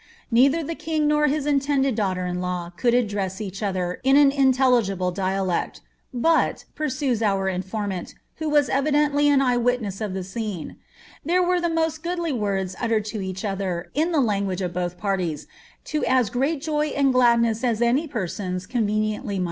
Nei ther the king nor his intended daughter in law could address each other in an intelligible dialect ;^ but," pursues our infonnant, who was evi dently an eye witness of the scene, ^ there were the most goodly words uttered to each other, in the language of both parties, to as great joy and gladness as any persons conveniently might have."